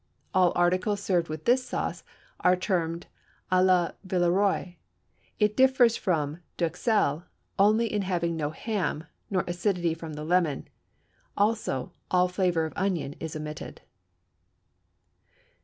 All articles served with this sauce are termed à la Villeroi. It differs from d'Uxelles only in having no ham, nor acidity from the lemon; also, all flavor of onion is omitted.